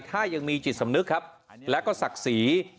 ถ้ายังมีจิตสำนึกครับและก็ศักดิ์ศรี